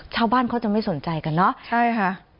ชาวบ้านเขาจะไม่สนใจกันเนอะใช่ค่ะ